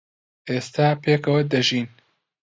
ئێستا پێکەوە دەژین.